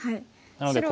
なので。